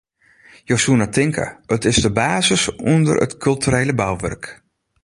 Jo soene tinke, it is de basis ûnder it kulturele bouwurk.